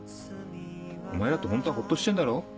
お前だってホントはホッとしてんだろ？